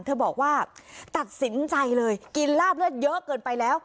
เธอบอกว่าตัดสินใจเลยกินลาบเลือดเยอะเกินไปแล้ว